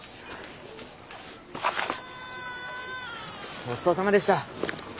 ごちそうさまでした。